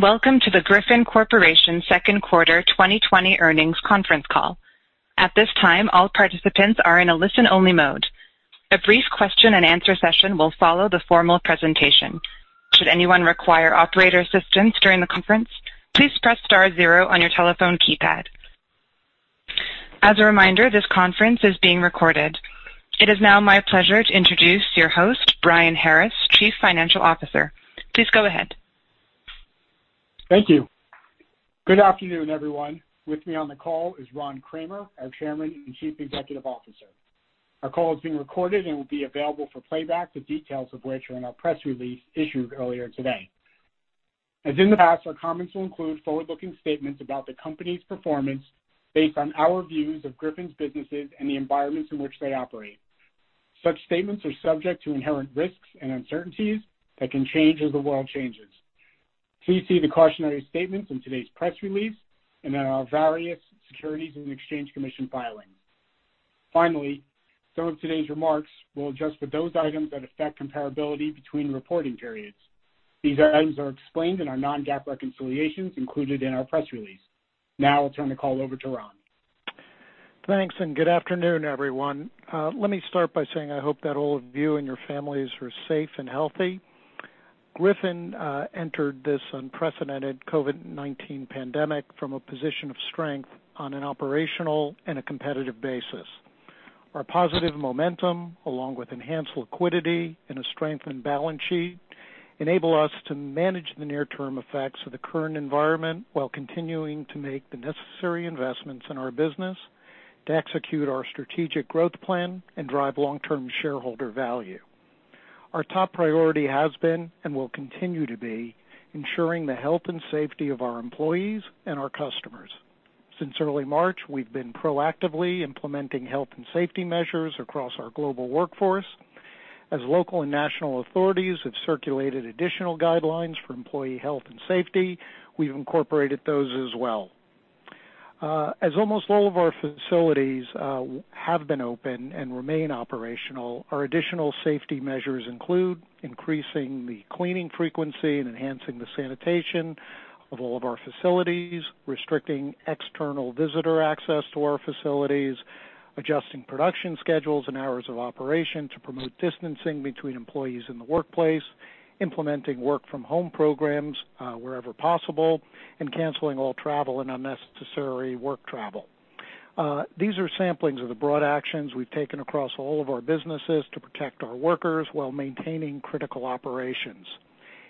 Welcome to the Griffon Corporation Q2 2020 earnings conference call. At this time, all participants are in a listen-only mode. A brief question and-answer-session will follow the formal presentation. Should anyone require operator assistance during the conference, please press star zero on your telephone keypad. As a reminder, this conference is being recorded. It is now my pleasure to introduce your host, Brian Harris, Chief Financial Officer. Please go ahead. Thank you. Good afternoon, everyone. With me on the call is Ron Kramer, our Chairman and Chief Executive Officer. Our call is being recorded and will be available for playback, the details of which are in our press release issued earlier today. As in the past, our comments will include forward-looking statements about the company's performance based on our views of Griffon's businesses and the environments in which they operate. Such statements are subject to inherent risks and uncertainties that can change as the world changes. Please see the cautionary statements in today's press release and in our various Securities and Exchange Commission filings. Finally, some of today's remarks will adjust for those items that affect comparability between reporting periods. These items are explained in our non-GAAP reconciliations included in our press release. Now I'll turn the call over to Ron. Thanks. Good afternoon, everyone. Let me start by saying I hope that all of you and your families are safe and healthy. Griffon entered this unprecedented COVID-19 pandemic from a position of strength on an operational and a competitive basis. Our positive momentum, along with enhanced liquidity and a strengthened balance sheet, enable us to manage the near-term effects of the current environment while continuing to make the necessary investments in our business to execute our strategic growth plan and drive long-term shareholder value. Our top priority has been, and will continue to be, ensuring the health and safety of our employees and our customers. Since early March, we've been proactively implementing health and safety measures across our global workforce. As local and national authorities have circulated additional guidelines for employee health and safety, we've incorporated those as well. As almost all of our facilities have been open and remain operational, our additional safety measures include increasing the cleaning frequency and enhancing the sanitation of all of our facilities, restricting external visitor access to our facilities, adjusting production schedules and hours of operation to promote distancing between employees in the workplace, implementing work-from-home programs wherever possible, and canceling all travel and unnecessary work travel. These are samplings of the broad actions we've taken across all of our businesses to protect our workers while maintaining critical operations.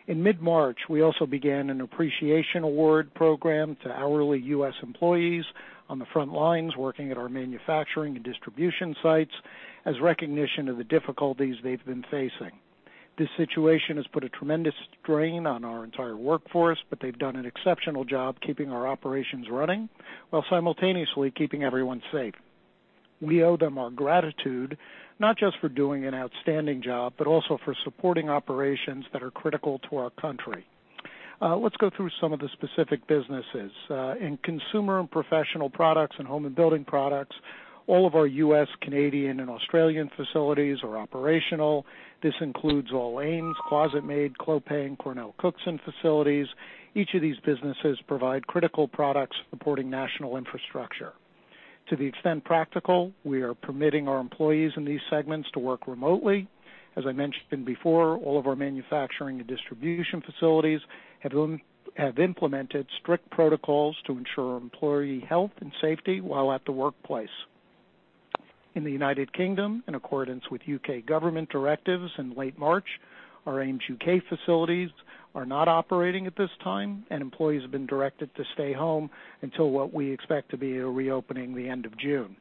In mid-March, we also began an appreciation award program to hourly U.S. employees on the front lines working at our manufacturing and distribution sites as recognition of the difficulties they've been facing. This situation has put a tremendous strain on our entire workforce, but they've done an exceptional job keeping our operations running while simultaneously keeping everyone safe. We owe them our gratitude, not just for doing an outstanding job, but also for supporting operations that are critical to our country. Let's go through some of the specific businesses. In Consumer and Professional Products and Home and Building Products, all of our U.S., Canadian, and Australian facilities are operational. This includes all Ames, ClosetMaid, Clopay, and CornellCookson facilities. Each of these businesses provide critical products supporting national infrastructure. To the extent practical, we are permitting our employees in these segments to work remotely. As I mentioned before, all of our manufacturing and distribution facilities have implemented strict protocols to ensure employee health and safety while at the workplace. In the United Kingdom, in accordance with U.K. government directives in late March, our Ames UK facilities are not operating at this time, and employees have been directed to stay home until what we expect to be a reopening the end of June.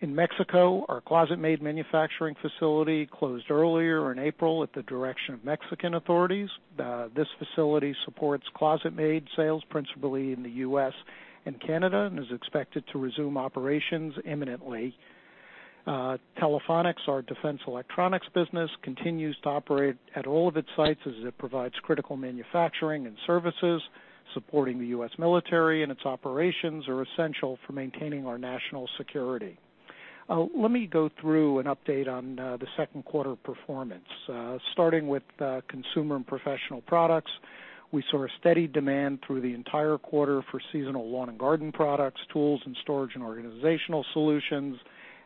In Mexico, our ClosetMaid manufacturing facility closed earlier in April at the direction of Mexican authorities. This facility supports ClosetMaid sales principally in the U.S. and Canada and is expected to resume operations imminently. Telephonics, our defense electronics business, continues to operate at all of its sites as it provides critical manufacturing and services supporting the U.S. military, and its operations are essential for maintaining our national security. Let me go through an update on the Q2 performance. Starting with consumer and professional products, we saw a steady demand through the entire quarter for seasonal lawn and garden products, tools, and storage and organizational solutions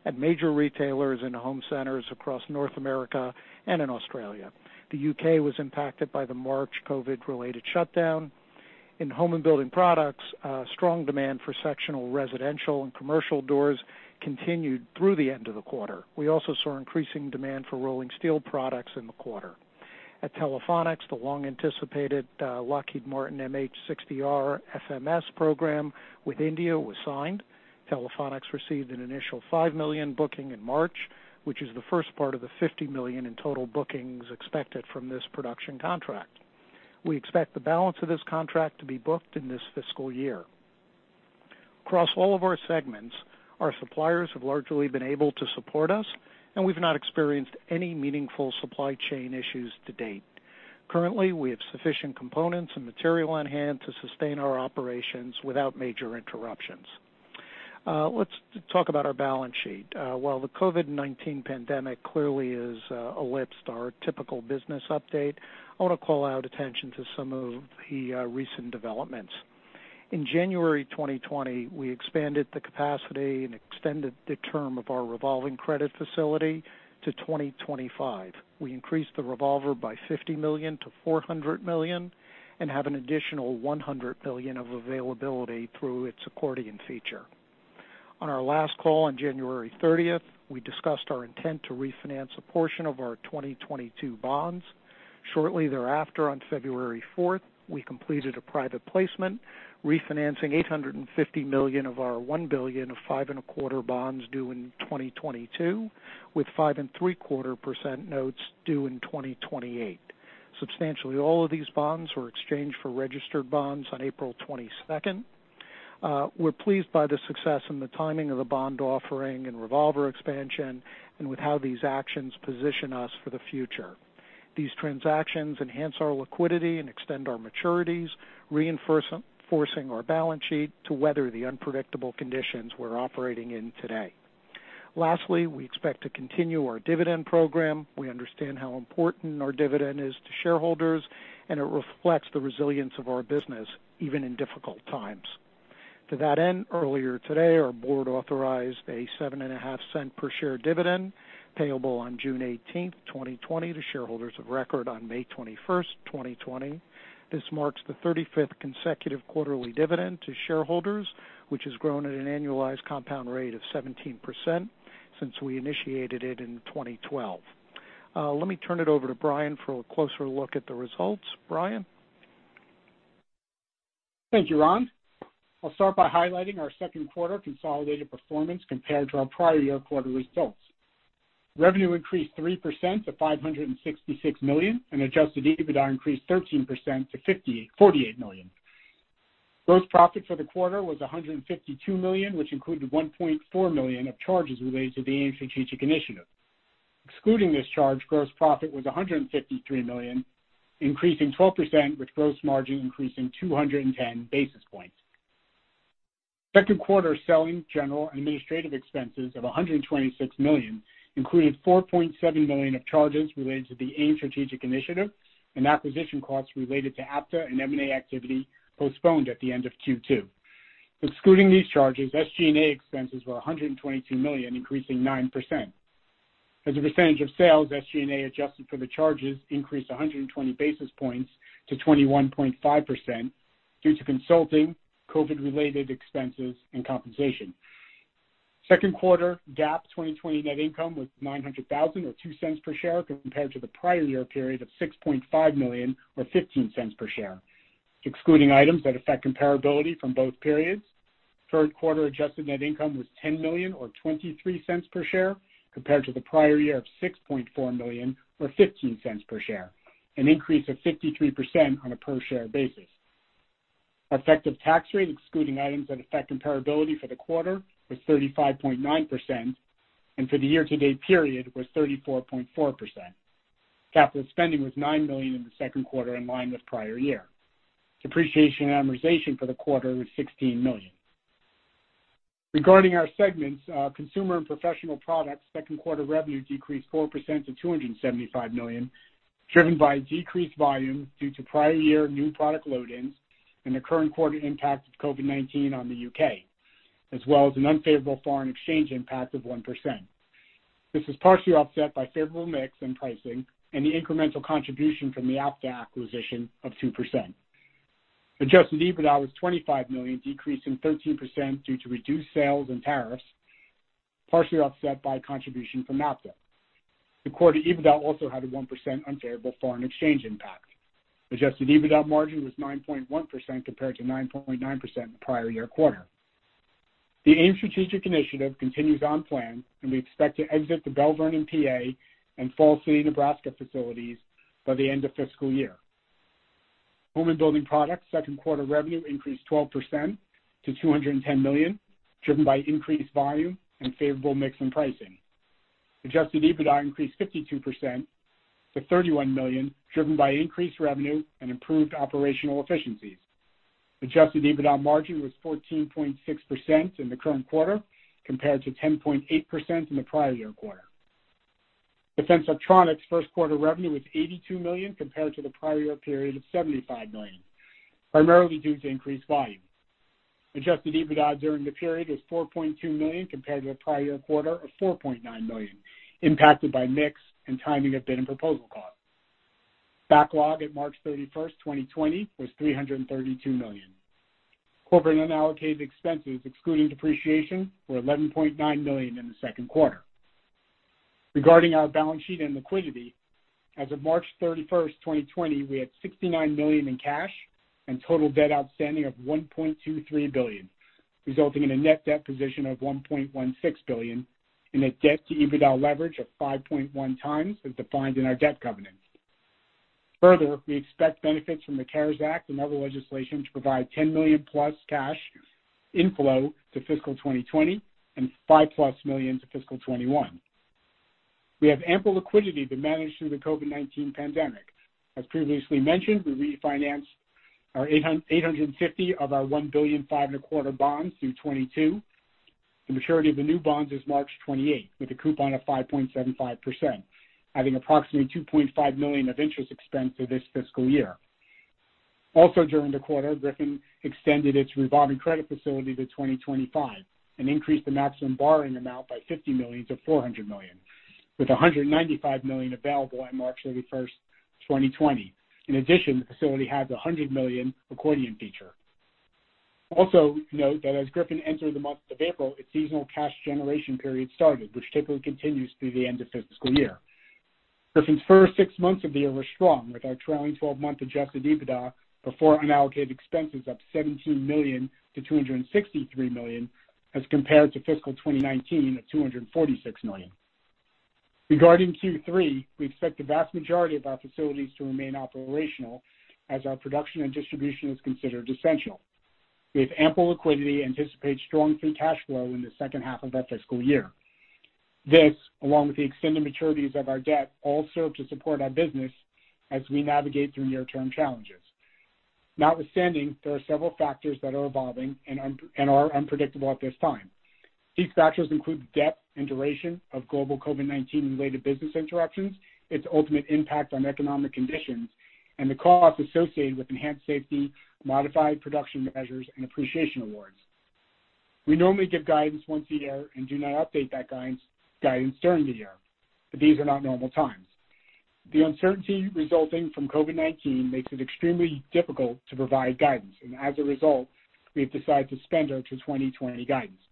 at major retailers and home centers across North America and in Australia. The U.K. was impacted by the March COVID-19-related shutdown. In home and building products, strong demand for sectional residential and commercial doors continued through the end of the quarter. We also saw increasing demand for rolling steel products in the quarter. At Telephonics, the long-anticipated Lockheed Martin MH-60R FMS program with India was signed. Telephonics received an initial $5 million booking in March, which is the first part of the $50 million in total bookings expected from this production contract. We expect the balance of this contract to be booked in this fiscal year. Across all of our segments, our suppliers have largely been able to support us, and we've not experienced any meaningful supply chain issues to date. Currently, we have sufficient components and material on hand to sustain our operations without major interruptions. Let's talk about our balance sheet. While the COVID-19 pandemic clearly has eclipsed our typical business update, I want to call out attention to some of the recent developments. In January 2020, we expanded the capacity and extended the term of our revolving credit facility to 2025. We increased the revolver by $50-$400 million and have an additional $100 million of availability through its accordion feature. On our last call on January 30th, we discussed our intent to refinance a portion of our 2022 bonds. Shortly thereafter, on February 4th, we completed a private placement, refinancing $850 million of our $1 billion of five and a quarter bonds due in 2022 with 5.75% notes due in 2028. Substantially all of these bonds were exchanged for registered bonds on April 22nd. We're pleased by the success and the timing of the bond offering and revolver expansion, and with how these actions position us for the future. These transactions enhance our liquidity and extend our maturities, reinforcing our balance sheet to weather the unpredictable conditions we're operating in today. Lastly, we expect to continue our dividend program. We understand how important our dividend is to shareholders, and it reflects the resilience of our business, even in difficult times. To that end, earlier today, our board authorized a $0.075 per share dividend payable on June 18th, 2020 to shareholders of record on May 21st, 2020. This marks the 35th consecutive quarterly dividend to shareholders, which has grown at an annualized compound rate of 17% since we initiated it in 2012. Let me turn it over to Brian for a closer look at the results. Brian? Thank you, Ron. I'll start by highlighting our Q2 consolidated performance compared to our prior year quarter results. Revenue increased 3% to $566 million, and adjusted EBITDA increased 13% to $48 million. Gross profit for the quarter was $152 million, which included $1.4 million of charges related to the AIM strategic initiative. Excluding this charge, gross profit was $153 million, increasing 12%, with gross margin increasing 210-basis points. Q2 selling, general, and administrative expenses of $126 million included $4.7 million of charges related to the AIM strategic initiative and acquisition costs related to Apta and M&A activity postponed at the end of Q2. Excluding these charges, SG&A expenses were $122 million, increasing 9%. As a percentage of sales, SG&A adjusted for the charges increased 120 basis points to 21.5% due to consulting, COVID-related expenses, and compensation. Q2 GAAP 2020 net income was $900,000, or $0.02 per share, compared to the prior year period of $6.5 million or $0.15 per share. Excluding items that affect comparability from both periods, Q3 adjusted net income was $10 million or $0.23 per share, compared to the prior year of $6.4 million or $0.15 per share, an increase of 53% on a per share basis. Effective tax rate excluding items that affect comparability for the quarter was 35.9%, and for the year-to-date period was 34.4%. Capital spending was $9 million in the Q2, in line with prior year. Depreciation and amortization for the quarter was $16 million. Regarding our segments, our consumer and professional products Q2 revenue decreased 4% to $275 million, driven by decreased volume due to prior year new product load-ins and the current quarter impact of COVID-19 on the U.K., as well as an unfavorable foreign exchange impact of 1%. This was partially offset by favorable mix and pricing and the incremental contribution from the Apta acquisition of 2%. Adjusted EBITDA was $25 million, decreasing 13% due to reduced sales and tariffs, partially offset by contribution from Apta. The quarter EBITDA also had a 1% unfavorable foreign exchange impact. Adjusted EBITDA margin was 9.1% compared to 9.9% in the prior year quarter. The AIM strategic initiative continues on plan, and we expect to exit the Belle Vernon, PA and Falls City, Nebraska facilities by the end of fiscal year. Home and Building Products Q2 revenue increased 12% to $210 million, driven by increased volume and favorable mix and pricing. Adjusted EBITDA increased 52% to $31 million, driven by increased revenue and improved operational efficiencies. Adjusted EBITDA margin was 14.6% in the current quarter, compared to 10.8% in the prior year quarter. Defense Electronics Q1 revenue was $82 million compared to the prior year period of $75 million, primarily due to increased volume. Adjusted EBITDA during the period was $4.2 million compared to the prior year quarter of $4.9 million, impacted by mix and timing of bidding proposal costs. Backlog at March 31st, 2020 was $332 million. Corporate unallocated expenses excluding depreciation were $11.9 million in the Q2. Regarding our balance sheet and liquidity, as of March 31st, 2020, we had $69 million in cash and total debt outstanding of $1.23 billion, resulting in a net debt position of $1.16 billion and a debt-to-EBITDA leverage of 5.1 times as defined in our debt covenant. Further, we expect benefits from the CARES Act and other legislation to provide $10 million-plus cash inflow to fiscal 2020 and $5 million-plus to fiscal 2021. We have ample liquidity to manage through the COVID-19 pandemic. As previously mentioned, we refinanced our $850 million of our $1 billion five and a quarter bonds through 2022. The maturity of the new bonds is March 28th, with a coupon of 5.75%, having approximately $2.5 million of interest expense for this fiscal year. Also, during the quarter, Griffon extended its revolving credit facility to 2025 and increased the maximum borrowing amount by $50-$400 million, with $195 million available on March 31st, 2020. In addition, the facility has $100 million accordion feature. Also note that as Griffon entered the month of April, its seasonal cash generation period started, which typically continues through the end of fiscal year. Griffon's first six months of the year were strong, with our trailing 12-month adjusted EBITDA before unallocated expenses up $17-$263 million as compared to fiscal 2019 at $246 million. Regarding Q3, we expect the vast majority of our facilities to remain operational as our production and distribution is considered essential. We have ample liquidity and anticipate strong free cash flow in the H2 of our fiscal year. This, along with the extended maturities of our debt, all serve to support our business as we navigate through near-term challenges. Notwithstanding, there are several factors that are evolving and are unpredictable at this time. These factors include depth and duration of global COVID-19 and related business interruptions, its ultimate impact on economic conditions, and the costs associated with enhanced safety, modified production measures, and appreciation awards. We normally give guidance once a year and do not update that guidance during the year, but these are not normal times. The uncertainty resulting from COVID-19 makes it extremely difficult to provide guidance, and as a result, we have decided to suspend our to 2020 guidance.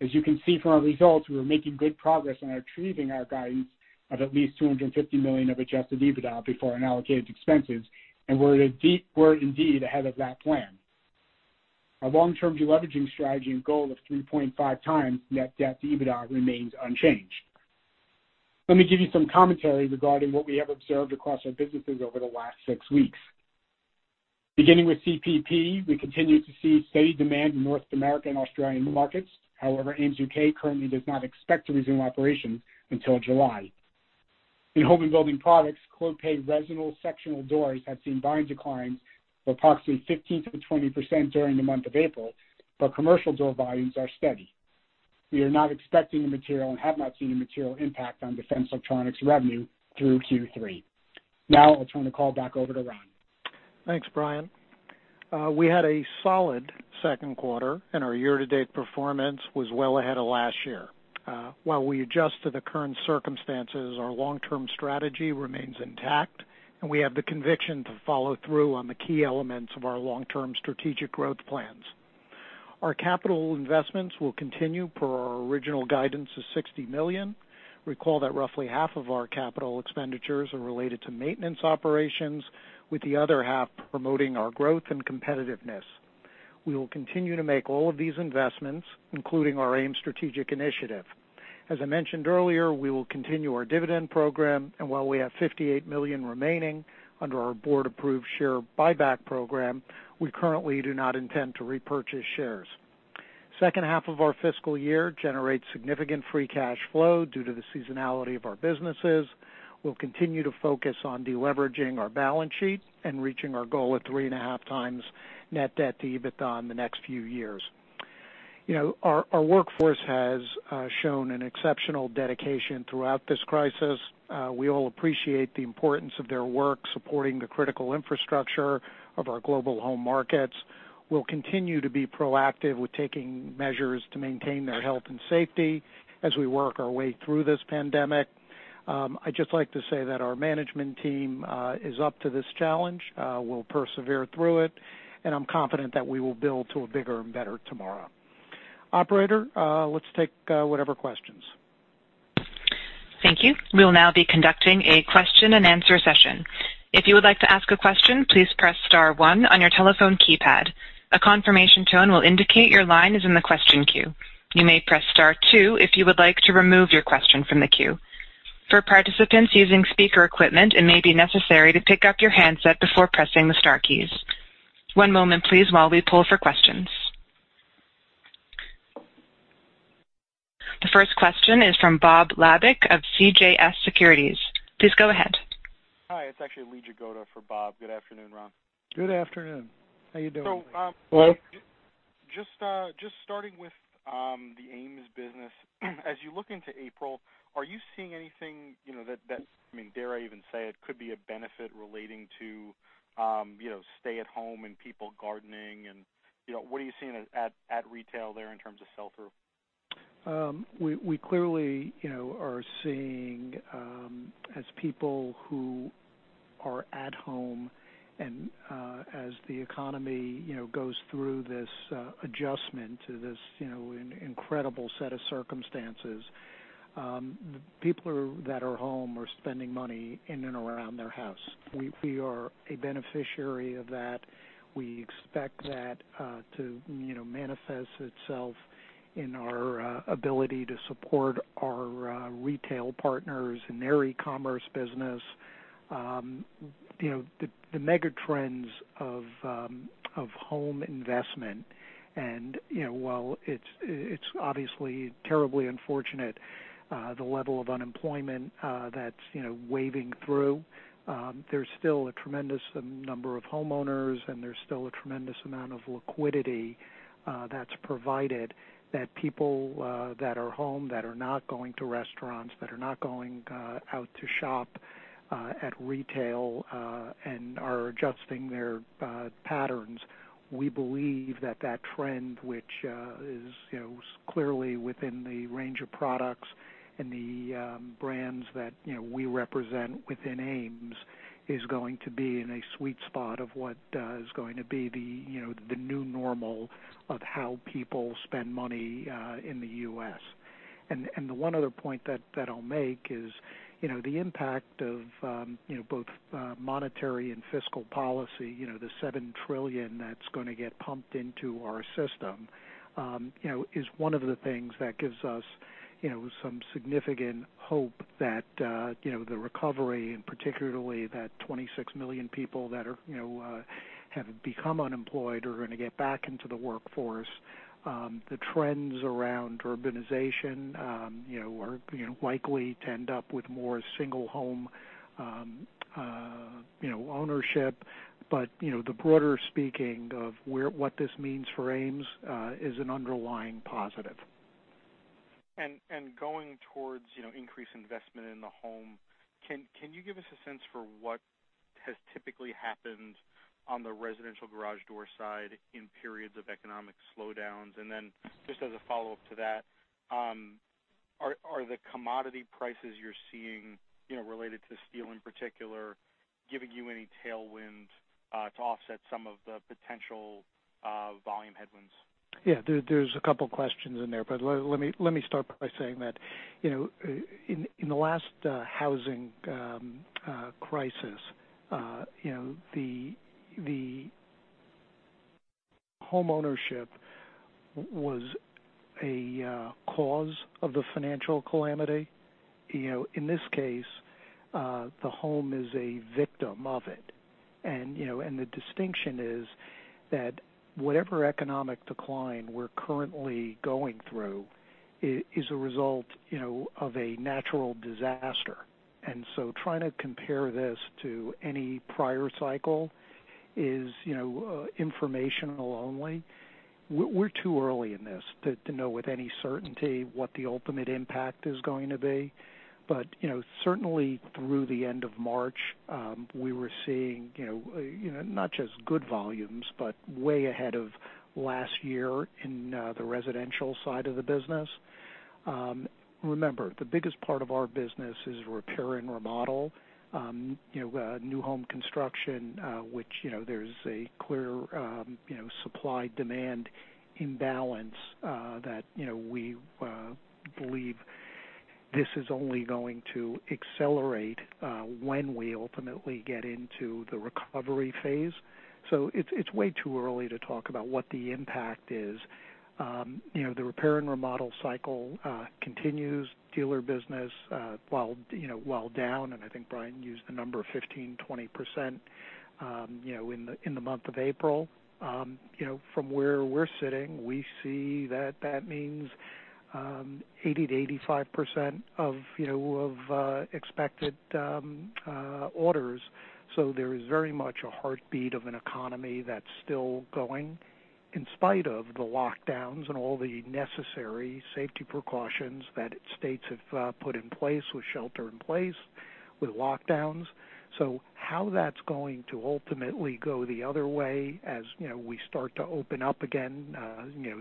As you can see from our results, we were making good progress on achieving our guidance of at least $250 million of adjusted EBITDA before unallocated expenses, and we're indeed ahead of that plan. Our long-term de-leveraging strategy and goal of 3.5x net debt to EBITDA remains unchanged. Let me give you some commentary regarding what we have observed across our businesses over the last six weeks. Beginning with CPP, we continue to see steady demand in North America and Australian markets. However, Ames U.K. currently does not expect to resume operations until July. In Home and Building Products, Clopay residential sectional doors have seen volume declines of approximately 15%-20% during the month of April, but commercial door volumes are steady. We are not expecting a material and have not seen a material impact on Defense Electronics revenue through Q3. Now I'll turn the call back over to Ron. Thanks, Brian. We had a solid Q2, and our year-to-date performance was well ahead of last year. While we adjust to the current circumstances, our long-term strategy remains intact, and we have the conviction to follow through on the key elements of our long-term strategic growth plans. Our capital investments will continue per our original guidance of $60 million. Recall that roughly half of our capital expenditures are related to maintenance operations, with the other half promoting our growth and competitiveness. We will continue to make all of these investments, including our AIM strategic initiative. As I mentioned earlier, we will continue our dividend program, and while we have $58 million remaining under our board-approved share buyback program, we currently do not intend to repurchase shares. H2 of our fiscal year generates significant free cash flow due to the seasonality of our businesses. We'll continue to focus on de-leveraging our balance sheet and reaching our goal of 3.5x net debt to EBITDA in the next few years. Our workforce has shown an exceptional dedication throughout this crisis. We all appreciate the importance of their work supporting the critical infrastructure of our global home markets. We'll continue to be proactive with taking measures to maintain their health and safety as we work our way through this pandemic. I'd just like to say that our management team is up to this challenge. We'll persevere through it, and I'm confident that we will build to a bigger and better tomorrow. Operator let's take whatever questions. Thank you. We will now be conducting a question-and-answer session. If you would like to ask a question, please press star one on your telephone keypad. A confirmation tone will indicate your line is in the question queue. You may press star two if you would like to remove your question from the queue. For participants using speaker equipment, it may be necessary to pick up your handset before pressing the star keys. One moment, please, while we pull for questions. The first question is from Robert Labick of CJS Securities. Please go ahead. Hi, it's actually Lee Jagoda for Bob. Good afternoon, Ron. Good afternoon. How you doing? Hello. Just starting with the Ames business. As you look into April, are you seeing anything that, dare I even say it, could be a benefit relating to stay-at-home and people gardening? What are you seeing at retail there in terms of sell-through? We clearly are seeing as people who are at home and as the economy goes through this adjustment to this incredible set of circumstances, people that are home are spending money in and around their house. We are a beneficiary of that. We expect that to manifest itself in our ability to support our retail partners in their e-commerce business. The mega trends of home investment and while it's obviously terribly unfortunate, the level of unemployment that's washing through, there's still a tremendous number of homeowners, and there's still a tremendous amount of liquidity that's provided that people that are home, that are not going to restaurants, that are not going out to shop at retail, and are adjusting their patterns. We believe that trend, which is clearly within the range of products and the brands that we represent within Ames, is going to be in a sweet spot of what is going to be the new normal of how people spend money in the U.S. The one other point that I'll make is the impact of both monetary and fiscal policy, the $7 trillion that's going to get pumped into our system, is one of the things that gives us some significant hope that the recovery, and particularly that 26 million people that have become unemployed are going to get back into the workforce. The trends around urbanization are likely to end up with more single home ownership. The broader speaking of what this means for Ames is an underlying positive. Going towards increased investment in the home, can you give us a sense for what has typically happened on the residential garage door side in periods of economic slowdowns? Just as a follow-up to that, are the commodity prices you're seeing related to steel in particular, giving you any tailwind to offset some of the potential volume headwinds? Yeah, there's a couple of questions in there, but let me start by saying that, in the last housing crisis, the homeownership was a cause of the financial calamity. In this case, the home is a victim of it. The distinction is that whatever economic decline we're currently going through is a result of a natural disaster. Trying to compare this to any prior cycle is informational only. We're too early in this to know with any certainty what the ultimate impact is going to be. Certainly through the end of March, we were seeing not just good volumes, but way ahead of last year in the residential side of the business. Remember, the biggest part of our business is repair and remodel. New home construction, which there's a clear supply-demand imbalance that we believe this is only going to accelerate when we ultimately get into the recovery phase. It's way too early to talk about what the impact is. The repair and remodel cycle continues. Dealer business, while down, and I think Brian used the number of 15%, 20%, in the month of April. From where we're sitting, we see that means 80%-85% of expected orders. There is very much a heartbeat of an economy that's still going in spite of the lockdowns and all the necessary safety precautions that states have put in place with shelter in place, with lockdowns. How that's going to ultimately go the other way as we start to open up again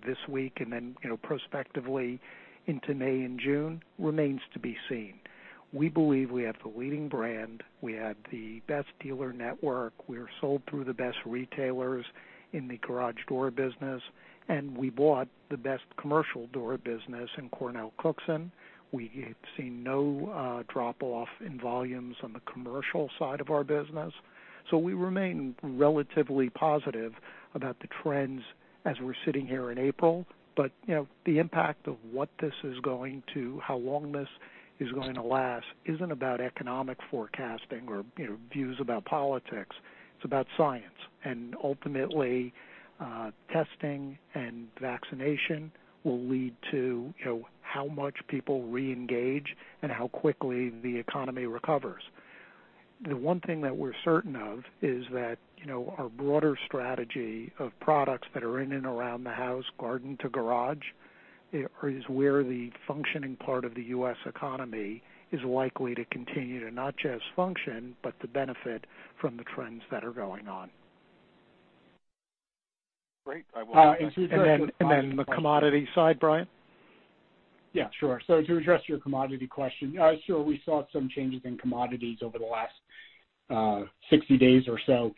this week and then prospectively into May and June remains to be seen. We believe we have the leading brand. We have the best dealer network. We're sold through the best retailers in the garage door business, and we bought the best commercial door business in CornellCookson. We have seen no drop-off in volumes on the commercial side of our business. We remain relatively positive about the trends as we're sitting here in April. The impact of how long this is going to last isn't about economic forecasting or views about politics. It's about science. Ultimately, testing and vaccination will lead to how much people reengage and how quickly the economy recovers. The one thing that we're certain of is that our broader strategy of products that are in and around the house, garden to garage, is where the functioning part of the U.S. economy is likely to continue to not just function, but to benefit from the trends that are going on. Great. The commodity side, Brian? Yeah, sure. To address your commodity question, sure, we saw some changes in commodities over the last 60 days or so.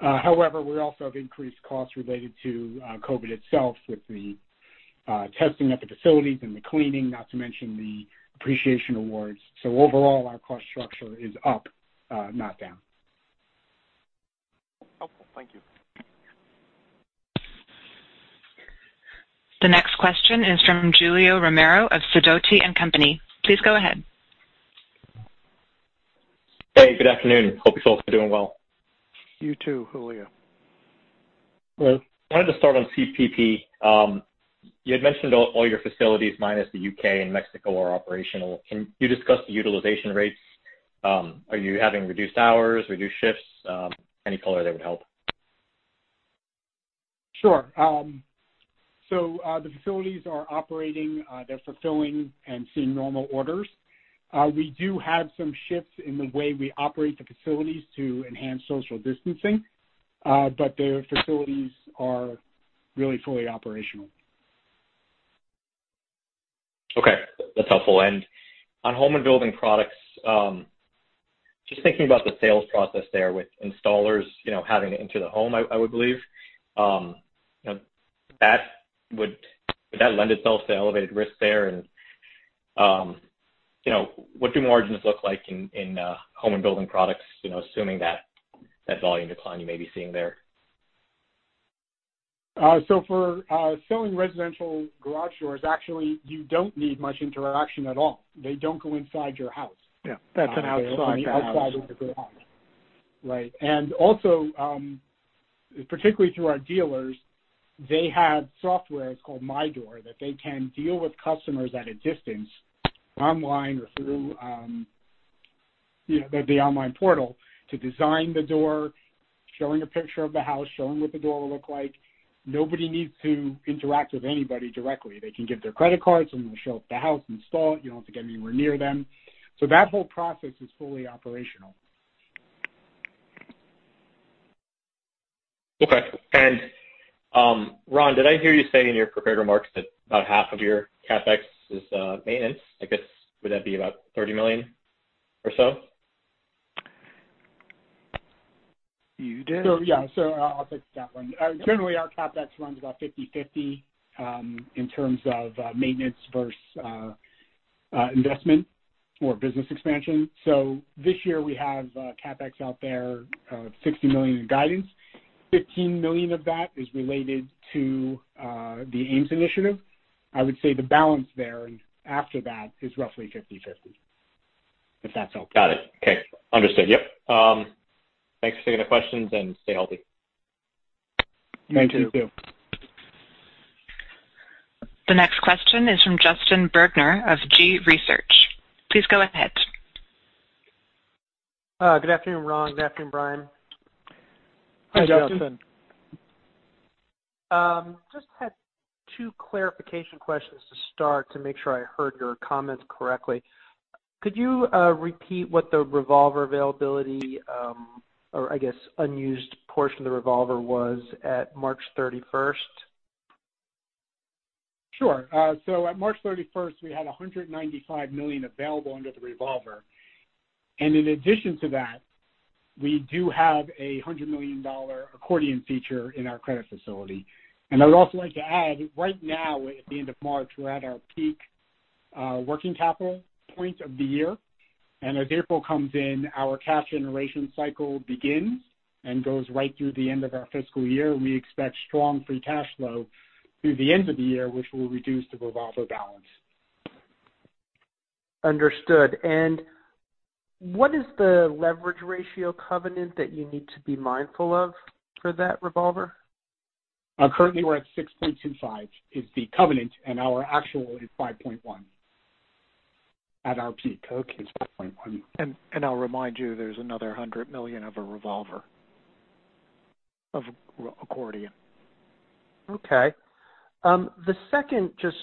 However, we also have increased costs related to COVID itself with the testing at the facilities and the cleaning, not to mention the appreciation awards. Overall, our cost structure is up, not down. Okay. Thank you. The next question is from Julio Romero of Sidoti & Company. Please go ahead. Hey, good afternoon. Hope you folks are doing well. You too, Julio. Hello. Wanted to start on CPP. You had mentioned all your facilities minus the U.K. and Mexico are operational. Can you discuss the utilization rates? Are you having reduced hours, reduced shifts? Any color there would help. Sure. The facilities are operating. They're fulfilling and seeing normal orders. We do have some shifts in the way we operate the facilities to enhance social distancing, but the facilities are really fully operational. Okay. That's helpful. On Home and Building Products, just thinking about the sales process there with installers having to enter the home, I would believe. Would that lend itself to elevated risk there? What do margins look like in Home and Building Products, assuming that volume decline you may be seeing there? For selling residential garage doors, actually, you don't need much interaction at all. They don't go inside your house. Yeah. That's an outside the house. Outside of the garage. Right. Also, particularly through our dealers, they have software, it's called MyDoor, that they can deal with customers at a distance, online or through the online portal to design the door, showing a picture of the house, showing what the door will look like. Nobody needs to interact with anybody directly. They can give their credit cards, and they'll show up at the house, install it. You don't have to get anywhere near them. That whole process is fully operational. Okay. Ron, did I hear you say in your prepared remarks that about half of your CapEx is maintenance? I guess, would that be about $30 million or so? You did. Yeah. I'll take that one. Sure. Generally, our CapEx runs about 50-50, in terms of maintenance versus investment or business expansion. This year, we have CapEx out there of $60 million in guidance. $15 million of that is related to the AIM initiative. I would say the balance there after that is roughly 50-50. If that's helpful. Got it. Okay. Understood, yep. Thanks for taking the questions and stay healthy. You too. Thank you. The next question is from Justin Bergner of G Research. Please go ahead. Good afternoon, Ron. Good afternoon, Brian. Hi, Justin. Hey, Justin. Had two clarification questions to start to make sure I heard your comments correctly. Could you repeat what the revolver availability, or I guess unused portion of the revolver was at March 31st? At March 31st, we had $195 million available under the revolver. In addition to that, we do have a $100 million accordion feature in our credit facility. I would also like to add, right now, at the end of March, we're at our peak working capital point of the year. As April comes in, our cash generation cycle begins and goes right through the end of our fiscal year, and we expect strong free cash flow through the end of the year, which will reduce the revolver balance. Understood. What is the leverage ratio covenant that you need to be mindful of for that revolver? Currently, we're at 6.25, is the covenant, and our actual is 5.1 at our peak. Okay. It's 5.1. I'll remind you, there's another $100 million of a revolver of accordion. Okay. The second just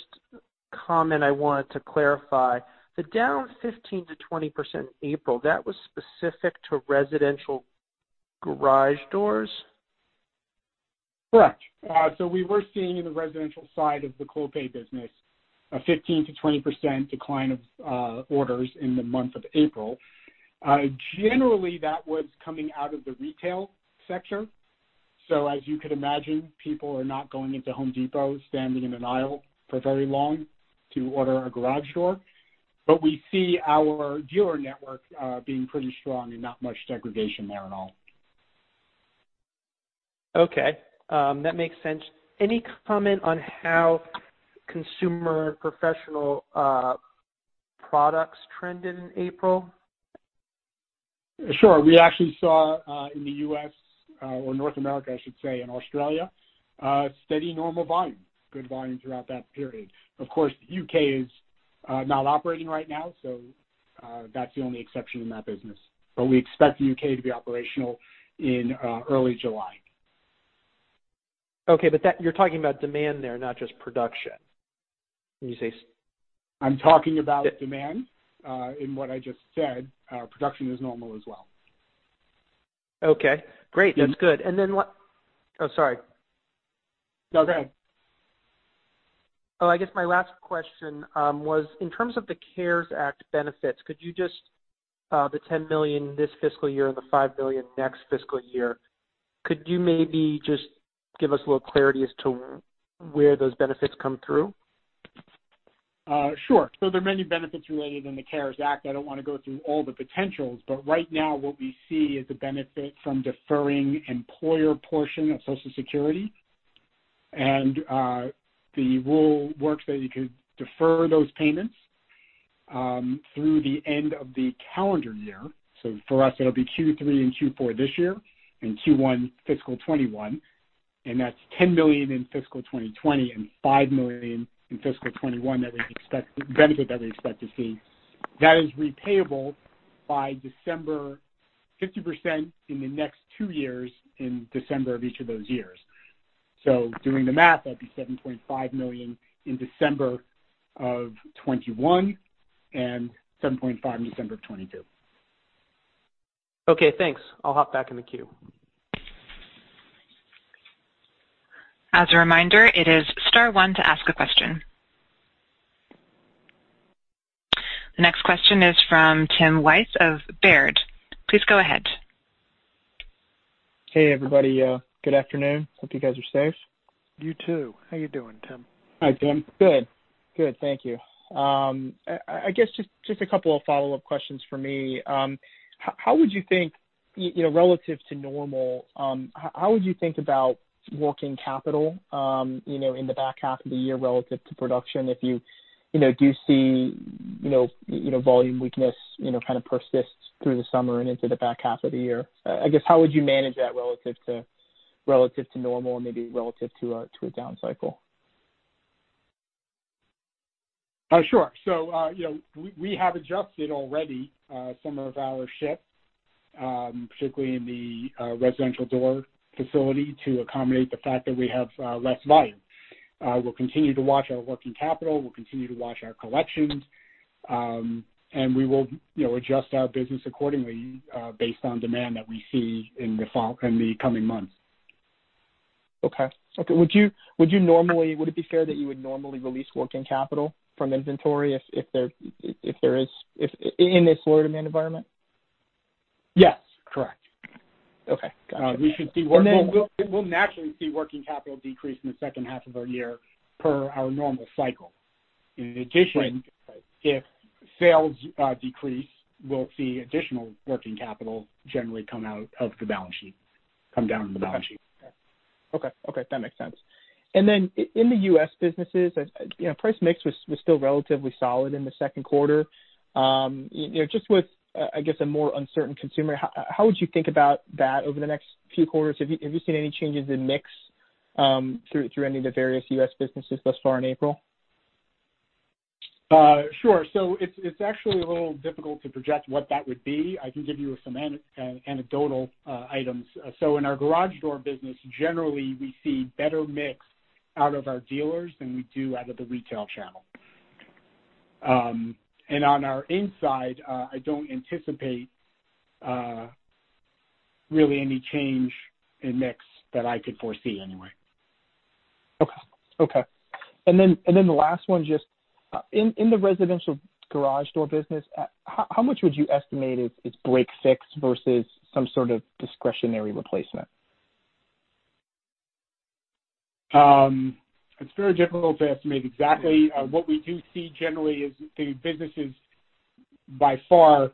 comment I wanted to clarify, the down 15%-20% April, that was specific to residential garage doors? Correct. We were seeing in the residential side of the Clopay business, a 15%-20% decline of orders in the month of April. Generally, that was coming out of the retail sector. As you could imagine, people are not going into Home Depot, standing in an aisle for very long to order a garage door. We see our dealer network being pretty strong and not much degradation there at all. Okay. That makes sense. Any comment on how consumer professional products trended in April? Sure. We actually saw in the U.S., or North America, I should say, and Australia, steady normal volume. Good volume throughout that period. Of course, U.K. is not operating right now, so, that's the only exception in that business. We expect the U.K. to be operational in early July. Okay. you're talking about demand there, not just production. I'm talking about demand, in what I just said. Production is normal as well. Okay. Great. That's good. Oh, sorry. No, go ahead. I guess my last question was, in terms of the CARES Act benefits, the $10 million this fiscal year and the $5 billion next fiscal year, could you maybe just give us a little clarity as to where those benefits come through? Sure. There are many benefits related in the CARES Act. I don't want to go through all the potentials, but right now what we see is the benefit from deferring employer portion of Social Security. The rule works that you could defer those payments through the end of the calendar year. For us, it'll be Q3 and Q4 this year and Q1 fiscal 2021, and that's $10 million in fiscal 2020 and $5 million in fiscal 2021 benefit that we expect to see. That is repayable by December, 50% in the next two years in December of each of those years. Doing the math, that'd be $7.5 million in December of 2021 and $7.5 million in December of 2022. Okay, thanks. I'll hop back in the queue. As a reminder, it is star one to ask a question. The next question is from Timothy Wojs of Baird. Please go ahead. Hey, everybody. Good afternoon. Hope you guys are safe. You too. How you doing, Tim? Hi, Tim. Good. Thank you. I guess just a couple of follow-up questions from me. How would you think, relative to normal, how would you think about working capital in the back half of the year relative to production if you do see volume weakness kind of persist through the summer and into the back half of the year? I guess, how would you manage that relative to normal and maybe relative to a down cycle? Sure. We have adjusted already some of our shifts, particularly in the residential door facility, to accommodate the fact that we have less volume. We'll continue to watch our working capital. We'll continue to watch our collections. We will adjust our business, accordingly, based on demand that we see in the coming months. Okay. Would it be fair that you would normally release working capital from inventory in this lower demand environment? Yes, correct. Okay. Gotcha. We'll naturally see working capital decrease in the H2 of our year per our normal cycle. In addition, if sales decrease, we'll see additional working capital generally come out of the balance sheet, come down from the balance sheet. Okay. That makes sense. In the U.S. businesses, price mix was still relatively solid in the Q2. Just with, I guess, a more uncertain consumer, how would you think about that over the next few quarters? Have you seen any changes in mix through any of the various U.S. businesses thus far in April? Sure. It's actually a little difficult to project what that would be. I can give you some anecdotal items. In our garage door business, generally, we see better mix out of our dealers than we do out of the retail channel. On our inside, I don't anticipate really any change in mix that I could foresee anyway. Okay. The last one, just in the residential garage door business, how much would you estimate is break-fix versus some sort of discretionary replacement? It's very difficult to estimate exactly. What we do see generally is the businesses by far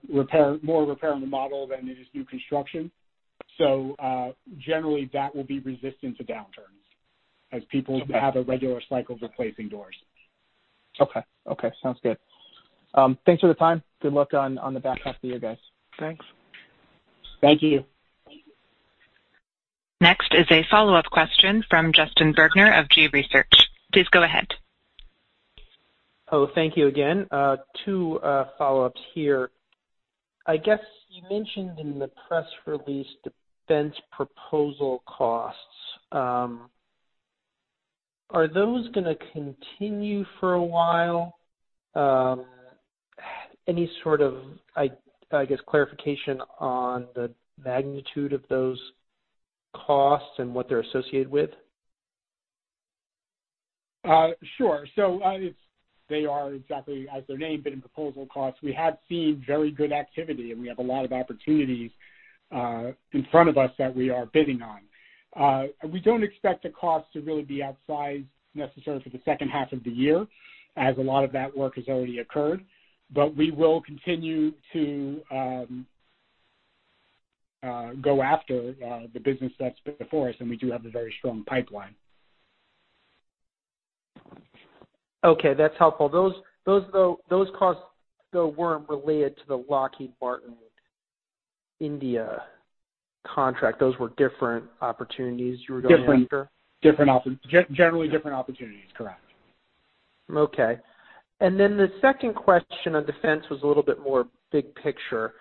more repair on the model than it is new construction. Generally, that will be resistant to downturns as people have a regular cycle of replacing doors. Okay. Sounds good. Thanks for the time. Good luck on the back half of the year, guys. Thanks. Thank you. Next is a follow-up question from Justin Bergner of G Research. Please go ahead. Oh, thank you again. Two follow-ups here. I guess you mentioned in the press release defense proposal costs. Are those going to continue for a while? Any sort of, I guess, clarification on the magnitude of those costs and what they're associated with? Sure. They are exactly as their name bidding proposal costs. We have seen very good activity, and we have a lot of opportunities in front of us that we are bidding on. We don't expect the cost to really be outside necessary for the H2 of the year as a lot of that work has already occurred. We will continue to go after the business that's before us, and we do have a very strong pipeline. Okay. That's helpful. Those costs, though, weren't related to the Lockheed Martin India contract. Those were different opportunities you were going after? Generally different opportunities, correct. Okay. The second question on defense was a little bit bigger picture.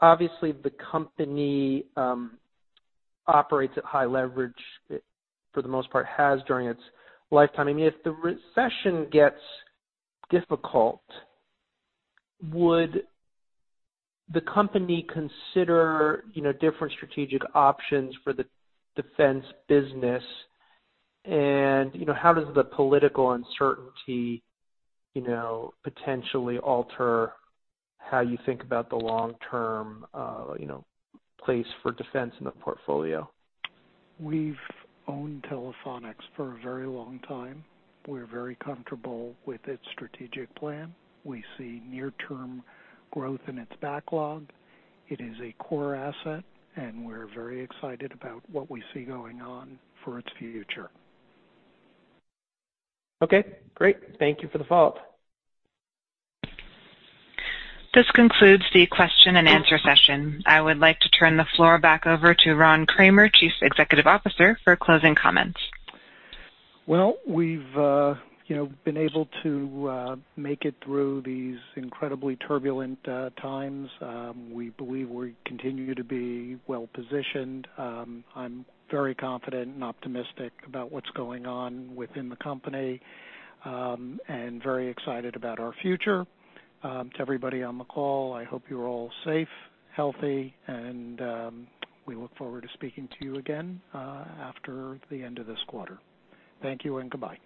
Obviously, the company operates at high leverage for the most part, has during its lifetime. If the recession gets difficult, would the company consider different strategic options for the defense business? How does the political uncertainty potentially alter how you think about the long-term place for defense in the portfolio? We've owned Telephonics for a very long time. We're very comfortable with its strategic plan. We see near-term growth in its backlog. It is a core asset, and we're very excited about what we see going on for its future. Okay, great. Thank you for the follow-up. This concludes the question-and-answer session. I would like to turn the floor back over to Ron Kramer, Chief Executive Officer, for closing comments. Well, we've been able to make it through these incredibly turbulent times. We believe we continue to be well-positioned. I'm very confident and optimistic about what's going on within the company, and very excited about our future. To everybody on the call, I hope you're all safe, healthy, and we look forward to speaking to you again after the end of this quarter. Thank you and goodbye.